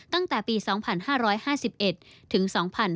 ตั้งแต่ปี๒๕๕๑ถึง๒๕๕๙